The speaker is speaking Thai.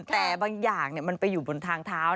แต่บางอย่างมันไปอยู่บนทางเท้า